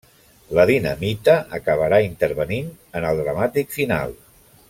La dinamita acabarà intervenint en el dramàtic final.